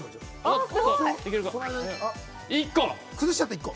１個！